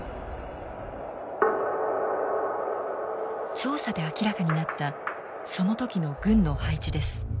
調査で明らかになったその時の軍の配置です。